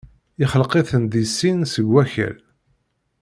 yexleq-iten di sin seg wakal.